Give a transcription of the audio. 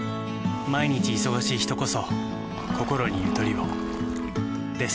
毎日忙しい人こそこころにゆとりをです。